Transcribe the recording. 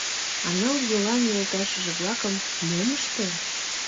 А ныл йолан йолташыже-влакым мом ыштен?